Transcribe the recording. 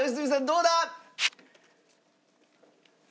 どうだ？